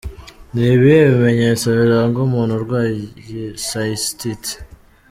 Ni ibihe bimenyetso biranga umuntu urwaye cystite?.